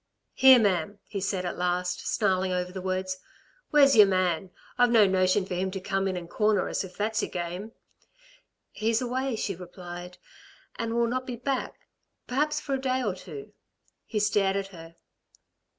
"Here, ma'am," he said at last, snarling over the words, "Where's your man? I've no notion for him to come in and corner us if that's your game." "He's away," she replied, "and will not be back perhaps for a day or two." He stared at her.